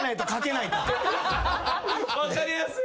分かりやすい！